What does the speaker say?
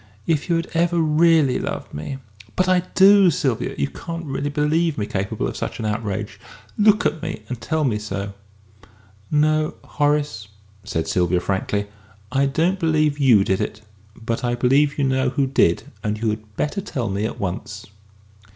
If you had ever really loved me !" "But I do, Sylvia, you can't really believe me capable of such an outrage! Look at me and tell me so." "No, Horace," said Sylvia frankly. "I don't believe you did it. But I believe you know who did. And you had better tell me at once!"